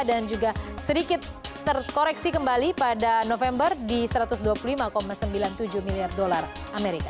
dan juga sedikit terkoreksi kembali pada november di satu ratus dua puluh lima sembilan puluh tujuh miliar dolar amerika